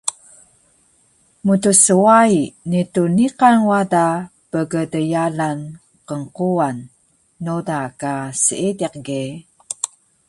Mtswai, netun niqan wada pgdyalan qnquwan noda ka seediq ge